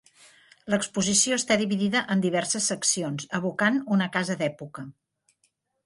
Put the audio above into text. L'exposició està dividida en diverses seccions, evocant una casa d'època.